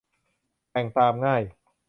แต่งตามง่าย